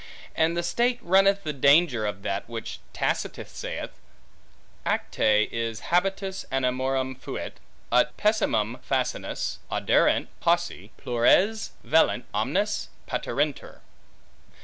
And the state runneth the danger of that which Tacitus saith; Atque is habitus animorum fuit, ut pessimum facinus auderent pauci, plures vellent, omnes paterentur.